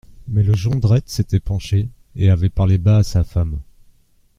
Mais le Jondrette s'était penché, et avait parlé bas à sa femme.